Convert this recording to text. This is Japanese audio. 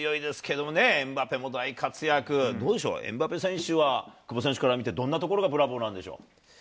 どうでしょう、エムバペ選手は、久保選手から見て、どんなところがブラボーなんでしょう。